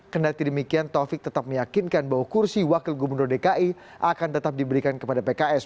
kendati demikian taufik tetap meyakinkan bahwa kursi wakil gubernur dki akan tetap diberikan kepada pks